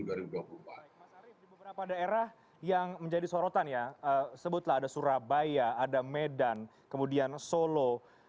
baik mas arief di beberapa daerah yang menjadi sorotan ya sebutlah ada surabaya ada medan kemudian solo